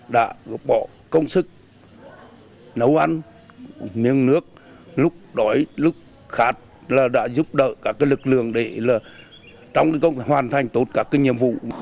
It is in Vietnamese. đã góp bỏ công sức nấu ăn miếng nước lúc đói lúc khác là đã giúp đỡ các lực lượng để trong hoàn thành tốt các nhiệm vụ